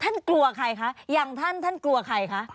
กลัวใครคะอย่างท่านท่านกลัวใครคะ